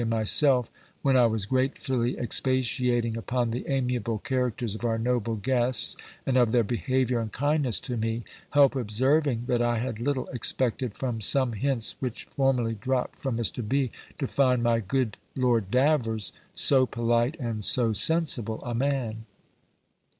and myself, when I was gratefully expatiating upon the amiable characters of our noble guests, and of their behaviour and kindness to me, help observing, that I had little expected, from some hints which formerly dropt from Mr. B., to find my good Lord Davers so polite and so sensible a man.